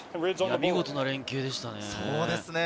見事な連係でしたね。